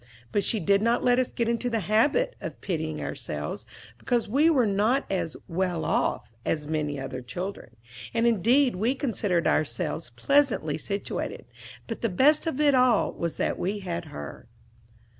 But she did not let us get into the bad habit of pitying ourselves because we were not as "well off" as many other children. And indeed we considered ourselves pleasantly situated; but the best of it all was that we had her.